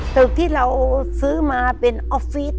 ตึกที่เราซื้อมาเป็นออฟฟิศ